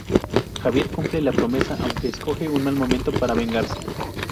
Javier cumple la promesa, aunque escoge un mal momento para vengarse.